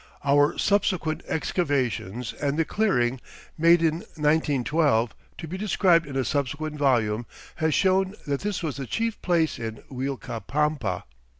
Our subsequent excavations and the clearing made in 1912, to be described in a subsequent volume, has shown that this was the chief place in Uilcapampa.